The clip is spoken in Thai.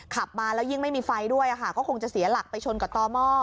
ขับมาแล้วยิ่งไม่มีไฟด้วยก็คงจะเสียหลักไปชนกับต่อหม้อ